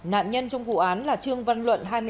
nạn nhân trong vụ án là trương văn luận